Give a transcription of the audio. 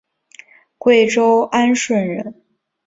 贵州安顺人。